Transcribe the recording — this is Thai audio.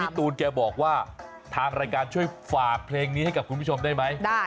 ตูนแกบอกว่าทางรายการช่วยฝากเพลงนี้ให้กับคุณผู้ชมได้ไหม